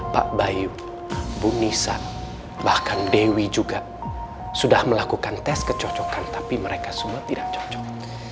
pak bayu bu nisan bahkan dewi juga sudah melakukan tes kecocokan tapi mereka semua tidak cocok